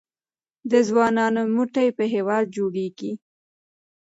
د ځوانانو مټې به هیواد جوړ کړي؟